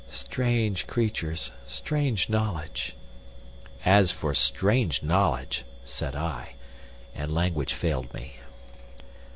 Strange creatures, strange knowledge...." "As for strange knowledge—" said I, and language failed me.